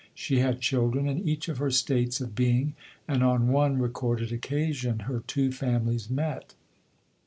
She had children in each of her states of being, and on one recorded occasion her two families met.